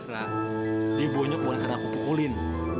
ra dia bonyok buat kan aku pukulin